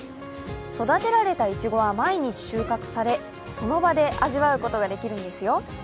育てられたいちごは毎日収穫されその場で味わうことができるんですよ。